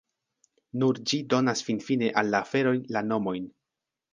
Nur ĝi donas finfine al la aferoj la nomojn.